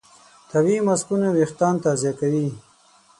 طبیعي ماسکونه وېښتيان تغذیه کوي.